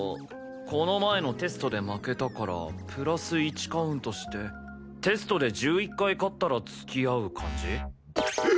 この前のテストで負けたからプラス１カウントしてテストで１１回勝ったら付き合う感じ？